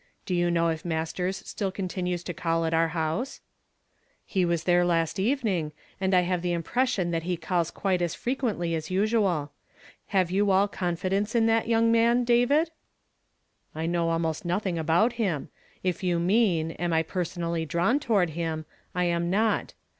" Do you know if jMasters still continues to call at our house ?" "He was there last evening, and I have the impression that he calls quite as frequently as usual. Have you all confidence in that young man, David ?" 184 YESTERDAY FRAMED IN TO DAY. "I know almost nothing about him. If you mean, am I personally drawn toward him, I am not.